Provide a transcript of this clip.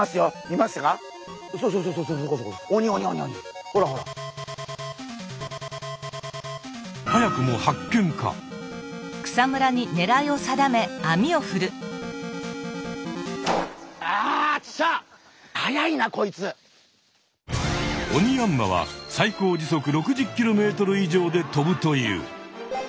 オニヤンマは最高時速６０ｋｍ以上で飛ぶという。